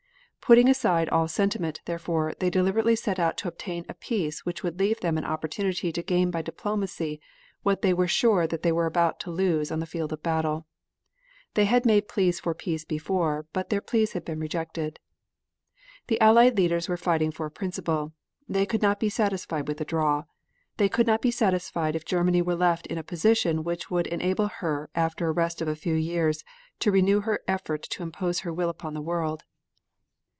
Putting aside all sentiment, therefore, they deliberately set out to obtain a peace which would leave them an opportunity to gain by diplomacy what they were sure that they were about to lose on the field of battle. They had made pleas for peace before, but their pleas had been rejected. The Allied leaders were fighting for a principle. They could not be satisfied with a draw. They could not be satisfied if Germany were left in a position which would enable her after a rest of a few years to renew her effort to impose her will upon the world.